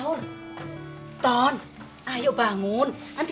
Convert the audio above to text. aku jadi alkoholably dan gini